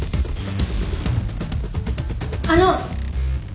あの。